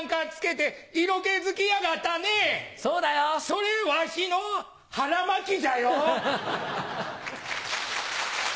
それわしの腹巻きじゃよ。